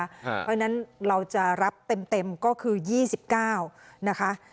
เพราะฉะนั้นเราจะรับเต็มก็คือ๒๙นะคะ